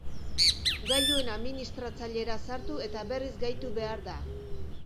Gailuen administratzailera sartu eta berriz gaitu behar da.